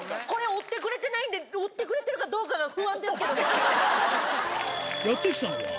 これ追ってくれてないんで追ってくれてるかどうかが不安ですけども。